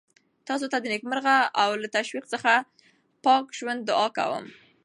تاسو ته د نېکمرغه او له تشویش څخه پاک ژوند دعا کوم.